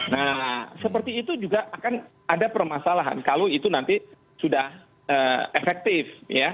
nah seperti itu juga akan ada permasalahan kalau itu nanti sudah efektif